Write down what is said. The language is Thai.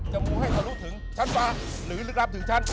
จะมูลให้เขารู้ถึงชั้นฟาหรือลึกรับถึงชั้น